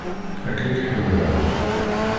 Akken i k-ḥemmleɣ.